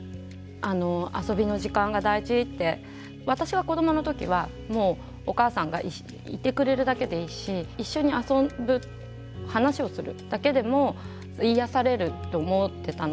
遊びの時間が大事って私が子どもの時はもうお母さんがいてくれるだけでいいし一緒に遊ぶ話をするだけでも癒やされると思ってたので。